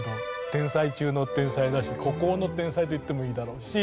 天才中の天才だし孤高の天才といってもいいだろうし。